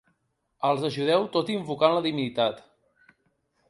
Als ajudeu tot invocant la divinitat.